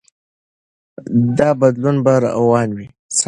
دا بدلون به روان وي.